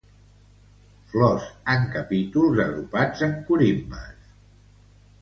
Flors en capítols agrupats en corimbes.